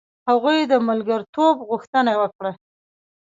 هغوی د ملګرتوب غوښتنه وکړه.